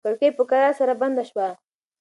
کړکۍ په کراره سره بنده شوه.